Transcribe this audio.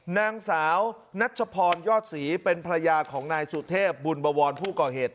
นางสาวนัชพรยอดศรีเป็นภรรยาของนายสุเทพบุญบวรผู้ก่อเหตุ